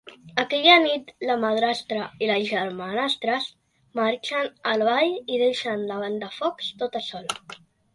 Aquella nit, la madrastra i les germanastres marxen al ball i deixen la Ventafocs tota sola.